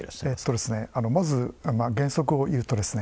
まず原則を言うとですね